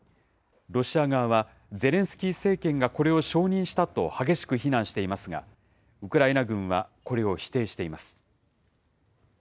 ロシア側は、ゼレンスキー政権がこれを承認したと激しく非難していますが、ウクライナ軍はこれを否定しています。